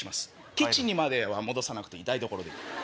キッチンにまでは戻さなくていい台所でいい。